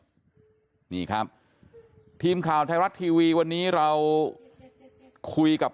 ช่วยเหลือเกินนี่ครับทีมข่าวไทยรัฐทีวีวันนี้เราคุยกับ